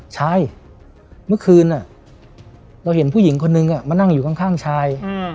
ชายเมื่อคืนเราเห็นผู้หญิงคนนึงมานั่งอยู่ข้างชาย